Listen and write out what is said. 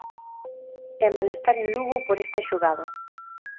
E malestar en Lugo por esta xogada.